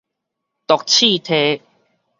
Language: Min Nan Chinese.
毒刺䖳